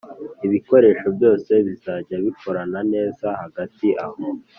ibikoresho byose bizajya bikorana neza Hagati aho